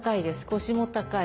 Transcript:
腰も高い。